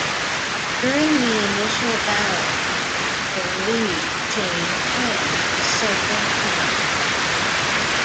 During the initial ballot count, the lead changed hands several times.